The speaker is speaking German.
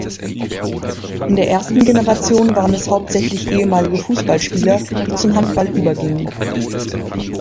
In der ersten Generation waren es hauptsächlich ehemalige Fußballspieler, die zum Handball übergingen.